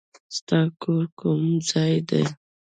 ستا کور کوم ځای دی؟